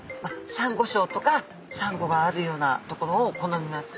サンゴしょうとかサンゴがあるようなところを好みます。